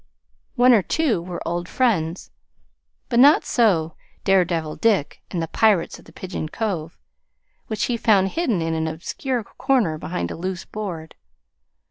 One or two were old friends; but not so "Dare Devil Dick," and "The Pirates of Pigeon Cove" (which he found hidden in an obscure corner behind a loose board).